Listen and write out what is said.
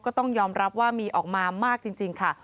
ก็ต้องยอมรับว่ามีออกมามากจริงค่ะ